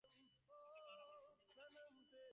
জ্যোতিবাবুর সঙ্গে আমার এখনো দেখা হয় নি।